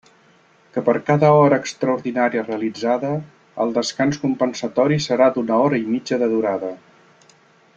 Que per cada hora extraordinària realitzada, el descans compensatori serà d'una hora i mitja de durada.